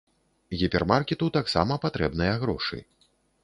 Гіпермаркету таксама патрэбныя грошы.